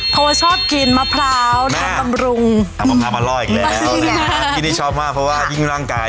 เพราะว่าชอบกินมะพร้าวน้ำบำรุงอันนี้ชอบมากเพราะว่ายิ่งร่างกาย